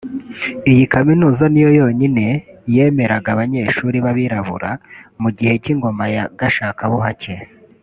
Iyi kaminuza ni yo yonyine yemeraga abanyeshuri b’abirabura mu gihe cy’ingoma ya gashakabuhake